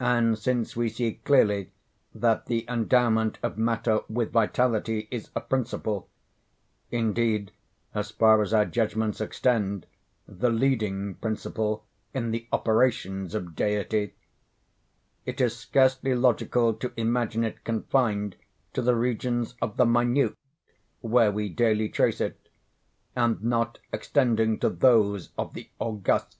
And since we see clearly that the endowment of matter with vitality is a principle—indeed, as far as our judgments extend, the leading principle in the operations of Deity,—it is scarcely logical to imagine it confined to the regions of the minute, where we daily trace it, and not extending to those of the august.